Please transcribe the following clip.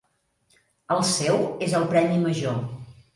El seu és el premi major.